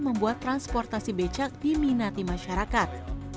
membuat transportasi becak diminati masyarakat